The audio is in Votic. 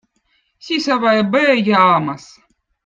sisavõ eb õõ Jaamõz